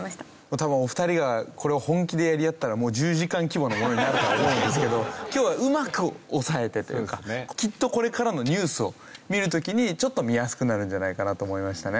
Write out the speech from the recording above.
多分お二人がこれを本気でやり合ったらもう１０時間規模のものになるとは思うんですけど今日はうまく押さえてというかきっとこれからのニュースを見る時にちょっと見やすくなるんじゃないかなと思いましたね。